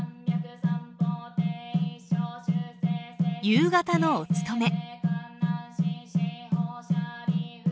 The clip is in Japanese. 夕方のお勤め。